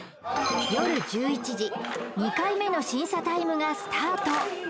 夜１１時２回目の審査タイムがスタート